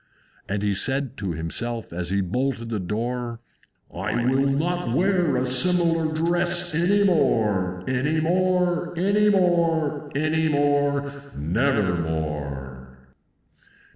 And he said to himself, as he bolted the door, "I will not wear a similar dress any more, Any more, any more, any more, never more!"